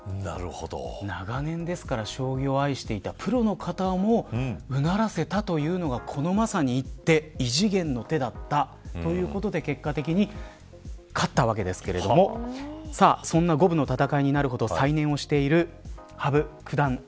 長年将棋を愛していたプロの方をもうならせたというのがこのまさに一手異次元の手だったということで結果的に勝ったわけですけれどもそんな五分の戦いになるほど再燃している羽生九段。